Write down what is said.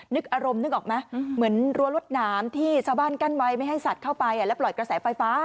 นึกอารมณ์นึกออกไหมเหมือนรั้วรวดหนามที่ชาวบ้านกั้นไว้ไม่ให้สัตว์เข้าไปแล้วปล่อยกระแสไฟฟ้า